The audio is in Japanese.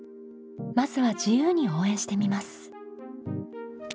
まずは自由に応援してみます。